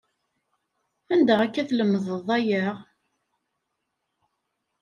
Anda akka tlemedeḍ aya?